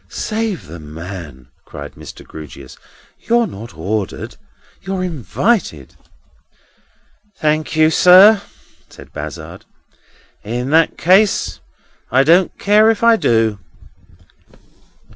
"Save the man!" cried Mr. Grewgious. "You're not ordered; you're invited." "Thank you, sir," said Bazzard; "in that case I don't care if I do."